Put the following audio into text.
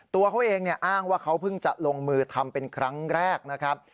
ตัวเขาเองอ้างว่าเขาเพิ่งจะลงมือทำเป็นครั้งแรกนะครับ